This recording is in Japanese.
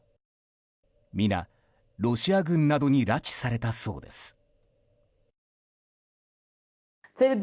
皆、ロシア軍などに拉致されたそうです。